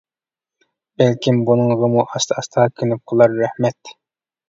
بەلكىم بۇنىڭغىمۇ ئاستا-ئاستا كۆنۈپ قالار. رەھمەت.